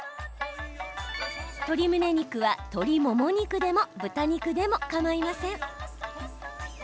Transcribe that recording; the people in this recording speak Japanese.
鶏むね肉は、鶏もも肉でも豚肉でもかまいません。